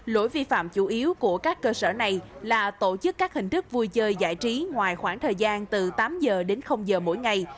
lỗi vi phạm chủ yếu của các cơ sở này là tổ chức các hình thức vui chơi giải trí ngoài khoảng thời gian từ tám giờ đến giờ mỗi ngày